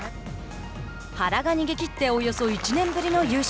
原が逃げ切っておよそ１年ぶりの優勝。